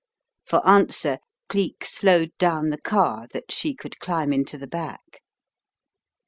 For answer Cleek slowed down the car that she could climb into the back.